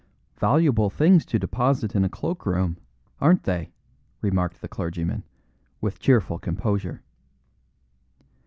"Valuable things to deposit in a cloak room, aren't they?" remarked the clergyman, with cheerful composure.